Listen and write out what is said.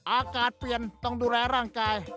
อากาศเปลี่ยนต้องดูแลร่างกาย